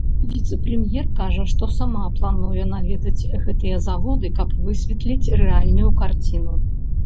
Віцэ-прэм'ер кажа, што сама плануе наведаць гэтыя заводы, каб высветліць рэальную карціну.